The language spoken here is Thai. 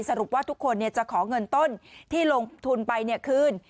สรุปว่าทุกคนเนี่ยจะขอเงินต้นที่ลงทุนไปเนี่ยคืน